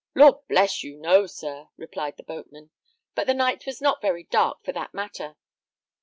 "Lord bless you, no, sir!" replied the boatman; "but the night was not very dark, for that matter.